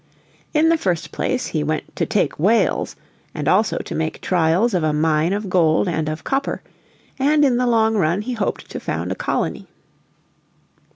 In the first place be went "to take whales, and also to make trials of a mine of gold and of copper" and in the long run he hoped to found a colony.